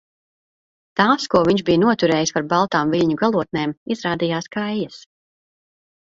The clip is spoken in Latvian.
Tās, ko viņš bija noturējis par baltām viļņu galotnēm, izrādījās kaijas.